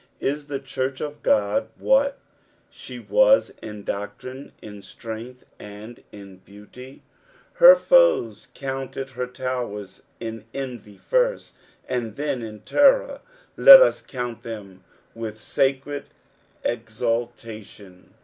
Is the church of God what she was in doctrine. In strength and in beauty ? Her foes counted ber lowers in envy first, and then in terror, let us count them with aacred exultation.